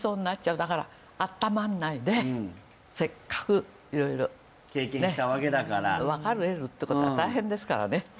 だからあったまんないでせっかく色々経験したわけだから別れるってことは大変ですからね